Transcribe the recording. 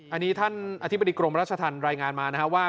อันนี้อธิบดิกรมราชธรรมรายงานมาว่า